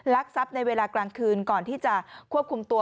ทรัพย์ในเวลากลางคืนก่อนที่จะควบคุมตัว